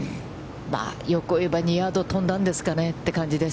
まあ欲を言えば２ヤード飛んだんですかねという感じです。